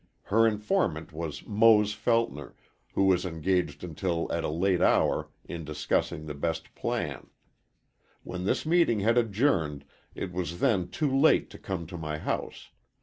Her informant was Mose Feltner, who was engaged until at a late hour in discussing the best plan. When this meeting had adjourned it was then too late to come to my house.